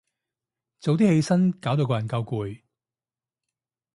早啲起身，搞到個人夠攰